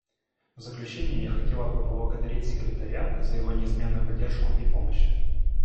В заключение я хотела бы поблагодарить Секретариат за его неизменную поддержку и помощь.